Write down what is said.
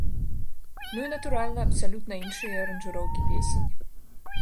Ну і, натуральна, абсалютна іншыя аранжыроўкі песень.